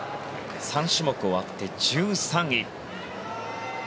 ３種目終わって１３位。